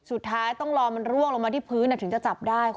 สุดท้ายต้องรอลงมาที่พื้นที่จะจับได้